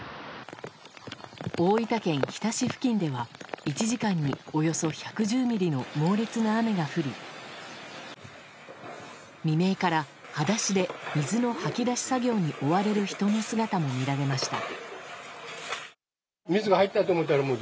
大分県日田市付近では１時間に、およそ１１０ミリの猛烈な雨が降り未明から裸足で水のはき出し作業に追われる人の姿も見られました。